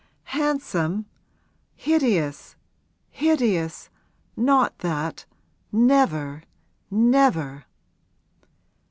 'Handsome? Hideous, hideous! Not that never, never!'